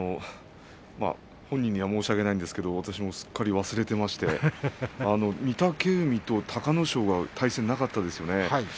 本人には申し訳ないですけれど私もすっかり忘れていまして御嶽海と隆の勝が対戦なかったですよね。